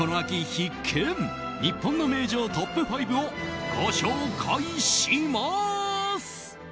日本の名城トップ５をご紹介します。